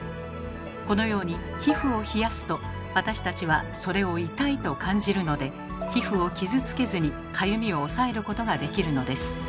このように皮膚を冷やすと私たちはそれを痛いと感じるので皮膚を傷つけずにかゆみを抑えることができるのです。